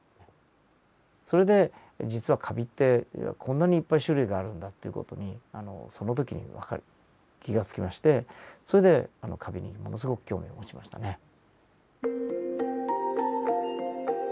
それで実はカビってこんなにいっぱい種類があるんだという事にその時に気が付きましてそれでカビにものすごく興味を持ちましたね。